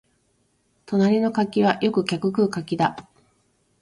隣の柿はよく客食う柿だ